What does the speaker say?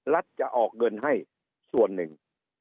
จะออกเงินให้ส่วนหนึ่ง